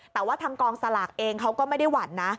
แต่ว่าทางกองสลากเองเขาก็ไม่ได้หวั่นนะ